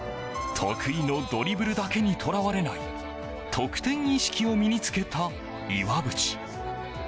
得意のドリブルだけにとらわれない得点意識を身に着けた岩渕。